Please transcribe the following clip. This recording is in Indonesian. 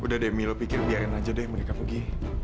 udah demi lo pikir biarin aja deh mereka pergi